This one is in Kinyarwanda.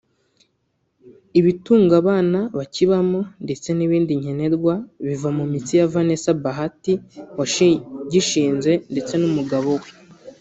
Ibitunga abana bakibamo ndetse n’ibindi nkenerwa biva mu mitsi ya Vanessa Bahati washigishinze ndetse n’umugabo we